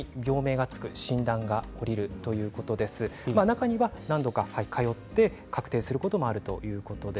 中には何度か通って確定することもあるということです。